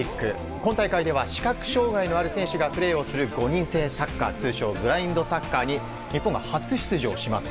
今大会では視覚障害のある選手がプレーする５人制サッカー通称ブラインドサッカーに日本が初出場します。